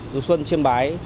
dù xuân chiêm bái